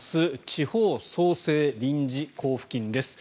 地方創生臨時交付金です。